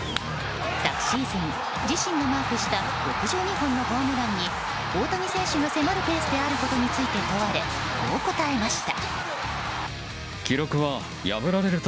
昨シーズン、自身がマークした６２本のホームランに大谷選手が迫るペースであることについて問われこう答えました。